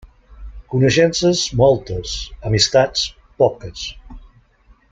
Coneixences, moltes; amistats, poques.